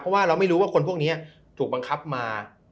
เพราะว่าเราไม่รู้ว่าคนพวกนี้ถูกบังคับมา